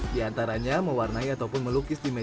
di antaranya mewarnai ataupun melukis dinamikannya